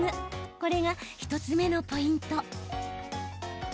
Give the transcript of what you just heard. これが１つ目のポイント。